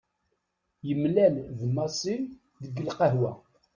Yemlal d Massi deg lqahwa.